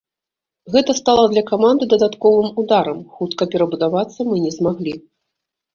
Гэта стала для каманды дадатковым ударам, хутка перабудавацца мы не змаглі.